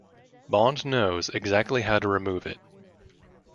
Bond knows exactly how to remove it.